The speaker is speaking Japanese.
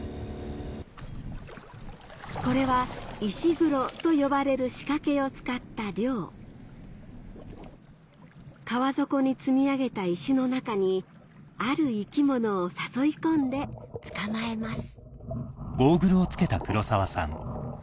これは「イシグロ」と呼ばれる仕掛けを使った漁川底に積み上げた石の中にある生き物を誘い込んで捕まえます